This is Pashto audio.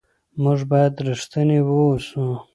موږ باید رښتیني واوسو.